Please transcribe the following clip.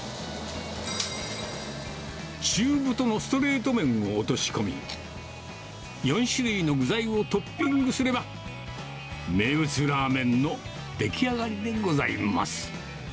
中太のストレート麺を落とし込み、４種類の具材をトッピングすれば、名物ラーメンの出来上がりでございます。